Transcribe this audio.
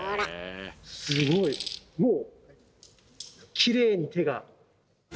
もうきれいに手が！